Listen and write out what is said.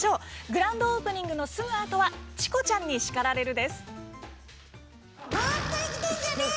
グランドオープニングのすぐあとは「チコちゃんに叱られる！」です。